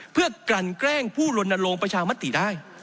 เพื่อกลั่นแกล้งผู้ลนลงประชามติได้